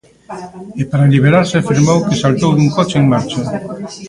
E para liberarse afirmou que saltou dun coche en marcha.